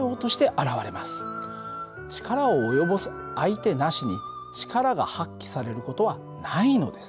力を及ぼす相手なしに力が発揮される事はないのです。